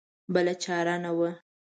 بله چاره نه وه.